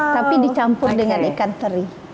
tapi dicampur dengan ikan teri